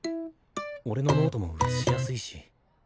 俺のノートも写しやすいし。